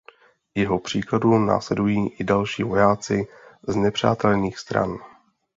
Jeho příkladu následují i další vojáci znepřátelených stran.